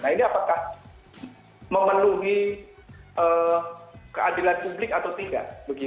nah ini apakah memenuhi keadilan publik atau tidak